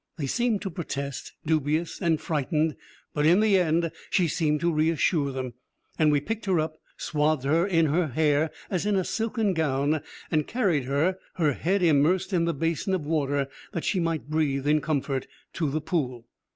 They seemed to protest, dubious and frightened, but in the end she seemed to reassure them, and we picked her up, swathed in her hair as in a silken gown, and carried her, her head immersed in the basin of water, that she might breathe in comfort, to the pool.